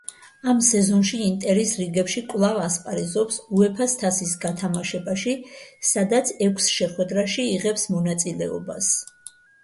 ამ სეზონში „ინტერის“ რიგებში კვლავ ასპარეზობს უეფას თასის გათამაშებაში, სადაც ექვს შეხვედრაში იღებს მონაწილეობას.